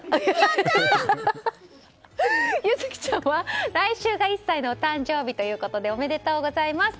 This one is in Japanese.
柚希ちゃんは来週が１歳のお誕生日ということでおめでとうございます。